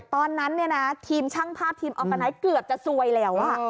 ตอนนั้นเนี่ยนะทีมช่างภาพทีมออกมาไหนเกือบจะซวยแล้ว